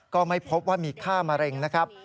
ก็ไม่พบว่ามีค่ามะเร็งนะครับ